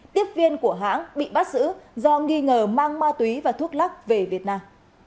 tiếp viên của hãng bị bắt giữ do nghi ngờ mang ma túy và thuốc lắc về việt nam